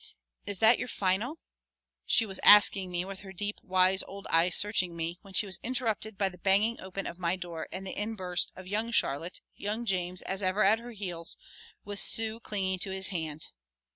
"Is that your final " she was asking me with her deep, wise old eyes searching me, when she was interrupted by the banging open of my door and the inburst of young Charlotte, young James as ever at her heels, with Sue clinging to his hand.